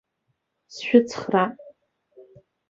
Сшәыцхраап.